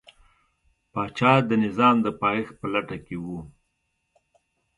پاچا د نظام د پایښت په لټه کې و.